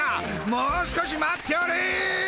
もう少し待っておれ！